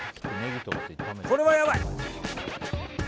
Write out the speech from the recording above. これはやばい。